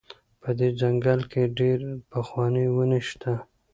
په دې ځنګل کې ډېرې پخوانۍ ونې شته.